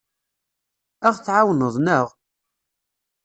Ad aɣ-tɛawneḍ, naɣ?